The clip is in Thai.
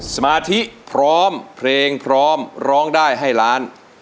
สมาธิพร้อมเพลงพร้อมร้องได้ให้ล้าน